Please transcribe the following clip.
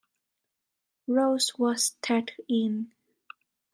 Rose was tagged in.